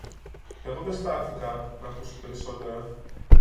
Εγώ δε στάθηκα ν' ακούσω περισσότερα